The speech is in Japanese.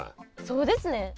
そうですね。